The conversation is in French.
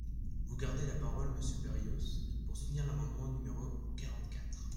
Vous gardez la parole, monsieur Berrios, pour soutenir l’amendement numéro quarante-quatre.